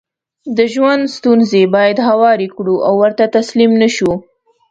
دژوند ستونزې بايد هوارې کړو او ورته تسليم نشو